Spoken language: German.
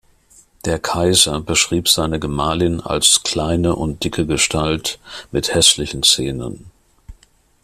Der Kaiser beschrieb seine ‚Gemahlin als „kleine und dicke Gestalt“ mit „hässlichen Zähnen“.